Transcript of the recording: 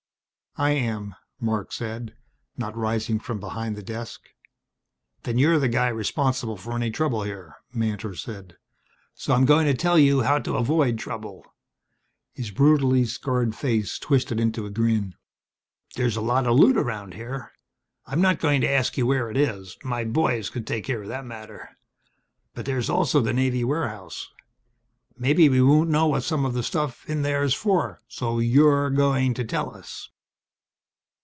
"I am," Marc said, not rising from behind the desk. "Then you're the guy responsible for any trouble here," Mantor said. "So I'm going to tell you how to avoid trouble." His brutally scarred face twisted into a grin. "There's a lot of loot around here. I'm not going to ask you where it is. My boys can take care of that matter. But there's also the Navy warehouse. Maybe we won't know what some of the stuff in there is for, so you're going to tell us."